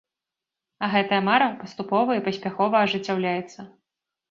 А гэтая мара паступова і паспяхова ажыццяўляецца.